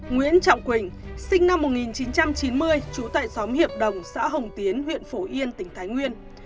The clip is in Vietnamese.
nguyễn trọng quỳnh sinh năm một nghìn chín trăm chín mươi trú tại xóm hiệp đồng xã hồng tiến huyện phổ yên tỉnh thái nguyên